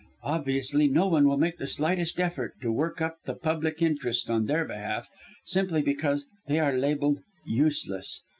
Obviously, no one will make the slightest effort to work up the public interest on their behalf, simply because they are labelled 'useless.'